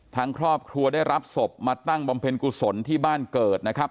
ทางครอบครัวได้รับศพมาตั้งบำเพ็ญกุศลที่บ้านเกิดนะครับ